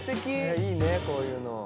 いいねこういうの。